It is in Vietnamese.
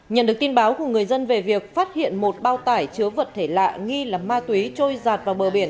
nhận được tin báo của người dân về việc phát hiện một bao tải chứa vật thể lạ nghi là ma túy trôi giạt vào bờ biển